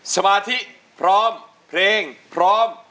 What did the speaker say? สมาธิพร้อมเพลงพร้อม